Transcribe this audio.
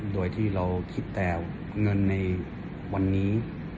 โดยที่เราคิดแต่เงินในวันนี้